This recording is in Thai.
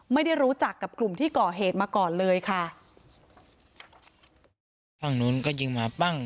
ไม่ได้รู้จักกับกลุ่มที่ก่อเหตุมาก่อนเลยค่ะฝั่งนู้นก็ยิงมาปั้ง